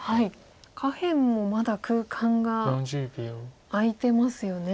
下辺もまだ空間が空いてますよね。